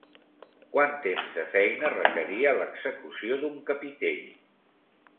Quant temps de feina requeria l'execució d'un capitell?